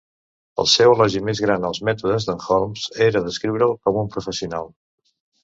El seu elogi més gran als mètodes de"n Holmes era descriure"l com un "professional".